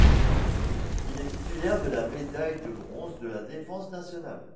Il est titulaire de la médaille de bronze de la Défense nationale.